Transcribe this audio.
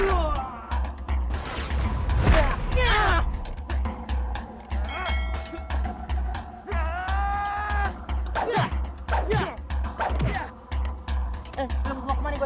eh kamu mau kemana gue